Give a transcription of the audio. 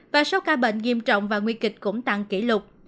và số ca bệnh nghiêm trọng và nguy kịch cũng tăng kỷ lục